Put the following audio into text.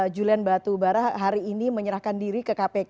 julian batubara hari ini menyerahkan diri ke kpk